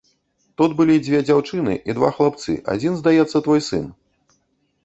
Тут былі дзве дзяўчыны і два хлапцы, адзін, здаецца, твой сын.